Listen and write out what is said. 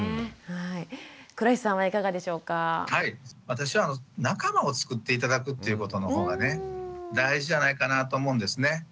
私は仲間をつくって頂くっていうことの方がね大事じゃないかなと思うんですね。